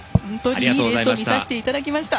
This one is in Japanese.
いいレースを見させていただきました。